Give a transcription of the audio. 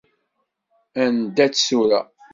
Anda-tt tura!